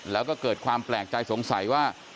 แล้วก็เกิดความแปลกใจสงสัยว่า